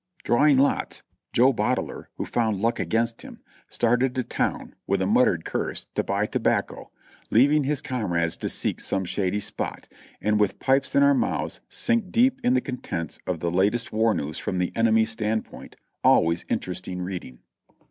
Drawing lots, Joe Boteler, who found luck against him, started ON PICKKT 4^1 rLp.T' r^ ^ nnittered curse, to buy tobacco, leaving his com rades to seek some shady spot, and with pipes in our mouths sink deep m he contents of the latest war news from the enemy's stand point, always mterestmg reading.